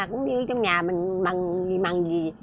cũng như trong nhà mình mặn gì mặn gì